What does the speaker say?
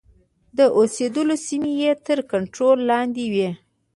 د اوسېدلو سیمې یې تر کنټرول لاندي وې.